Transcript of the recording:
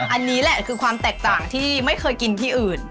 อันนี้แหละคือความแตกต่างที่ไม่เคยกินที่อื่น